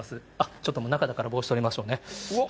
ちょっと中だから、帽子取りましょうね。